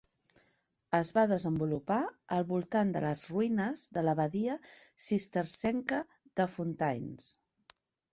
Es va desenvolupar al voltant de les ruïnes de l'abadia cistercenca de Fountains.